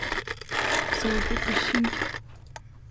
Всё это песчинки.